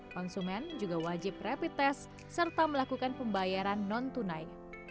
konsumen juga wajib rapid test serta melakukan pembayaran non tunai